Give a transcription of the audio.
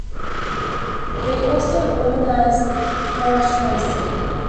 They also organise currach-racing.